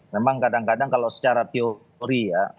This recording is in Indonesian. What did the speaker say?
memang kadang kadang kalau secara teori ya